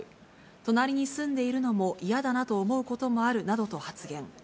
隣に住んでいるのも嫌だなと思うこともあるなどと発言。